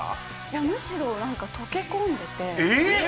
いやむしろ何か溶け込んでてえーっ！？